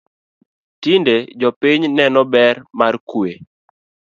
Tinde jopiny neno ber mar kwe